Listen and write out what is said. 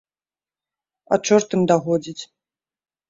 А чорт ім дагодзіць.